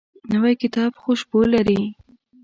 نوی کتاب خوشبو لري